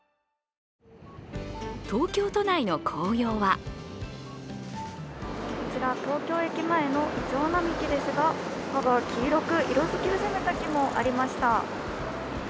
東京都内の紅葉はこちら、東京駅前のいちょう並木ですが、黄色く色づき始めた木もありました。